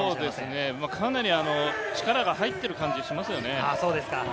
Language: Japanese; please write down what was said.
かなり力が入っている感じがしますね。